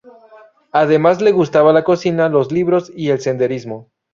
Además, le gustaba la cocina, los libros y el senderismo.